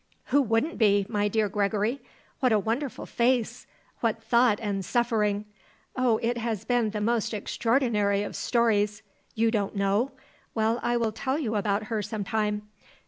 "Who wouldn't be, my dear Gregory! What a wonderful face! What thought and suffering! Oh, it has been the most extraordinary of stories. You don't know? Well, I will tell you about her some time.